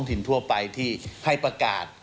ดีเกินอยากมากพี่แพร่คราวด้วย